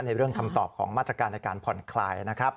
ในเรื่องคำตอบของมาตรการในการผ่อนคลายนะครับ